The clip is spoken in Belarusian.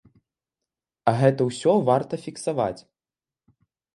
А гэта ўсё варта фіксаваць.